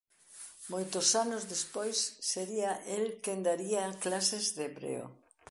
Moitos anos despois sería el quen daría clases de hebreo.